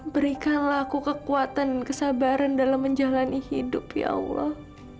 berikanlah aku kekuatan dan kesabaran dalam menjalani hidup ya allah